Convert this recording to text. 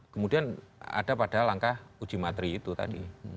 kemudian ada pada langkah uji materi itu tadi